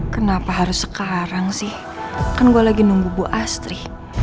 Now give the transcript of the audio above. kenapa harus sekarang sih kan gue lagi nunggu astri